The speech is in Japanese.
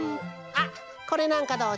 あっこれなんかどう？